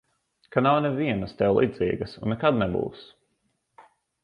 Ka nav nevienas tev līdzīgas un nekad nebūs.